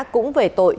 cũng về tội